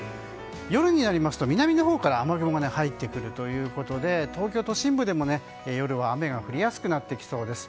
夜になりますと南のほうから雨雲が入ってくるということで東京都心部でも夜は雨が降りやすくなってきそうです。